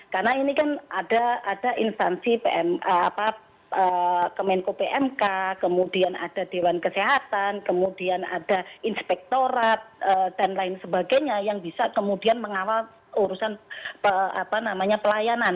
karena ini kan ada instansi kemenko pmk kemudian ada dewan kesehatan kemudian ada inspektorat dan lain sebagainya yang bisa kemudian mengawal urusan pelayanan